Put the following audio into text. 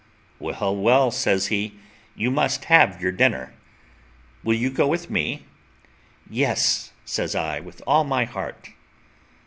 "Well, well," says he, "you must have your dinner. Will you go with me?" "Yes," says I, "with all my heart."